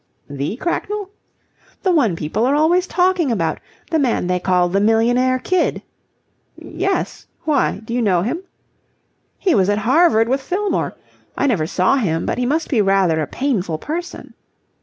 "The Cracknell?" "The one people are always talking about. The man they call the Millionaire Kid." "Yes. Why, do you know him?" "He was at Harvard with Fillmore. I never saw him, but he must be rather a painful person."